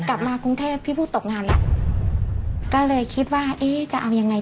กลับกรุงเทพฯพี่พูรู้หลายเกิดตบงาน